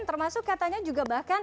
termasuk katanya juga bakatnya